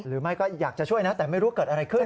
หรือไม่ก็อยากจะช่วยนะแต่ไม่รู้เกิดอะไรขึ้น